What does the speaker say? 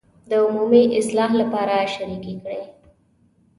د عمومي اصلاح لپاره شریکې کړي.